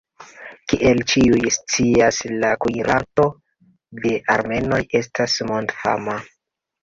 Kiel ĉiuj scias, la kuirarto de armenoj estas mondfama.